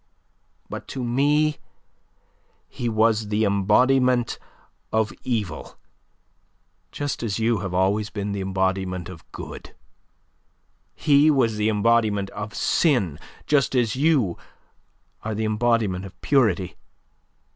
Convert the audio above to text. But to me, he was the embodiment of evil, just as you have always been the embodiment of good; he was the embodiment of sin, just as you are the embodiment of purity.